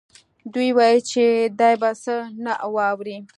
دوی ویل چې دی به څه نه واوري